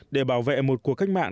để bảo vệ một cuộc cách mạng